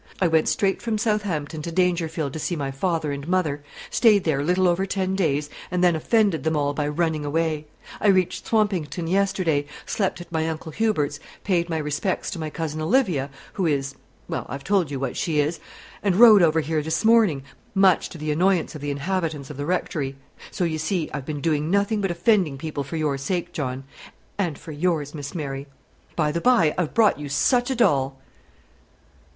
I went straight from Southampton to Dangerfield to see my father and mother, stayed there little over ten days, and then offended them all by running away. I reached Swampington yesterday, slept at my uncle Hubert's, paid my respects to my cousin Olivia, who is, well, I've told you what she is, and rode over here this morning, much to the annoyance of the inhabitants of the Rectory. So, you see, I've been doing nothing but offending people for your sake, John; and for yours, Miss Mary. By the by, I've brought you such a doll!"